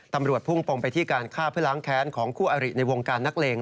พุ่งปมไปที่การฆ่าเพื่อล้างแค้นของคู่อริในวงการนักเลง